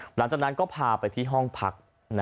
หลังจากนั้นก็พาไปที่ห้องพัก